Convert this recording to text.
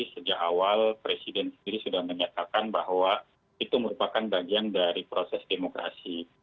sejak awal presiden sendiri sudah menyatakan bahwa itu merupakan bagian dari proses demokrasi